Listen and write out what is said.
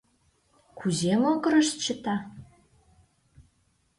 Кузе могырышт чыта?